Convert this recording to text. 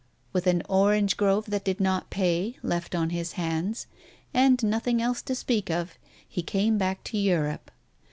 With an orange grove that did not pay, left on his hands, ^nd nothing else to speak of, he came back to Europe.